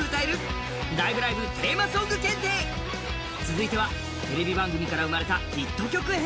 続いてはテレビ番組から生まれたヒット曲編。